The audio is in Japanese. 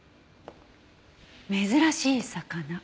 珍しい魚。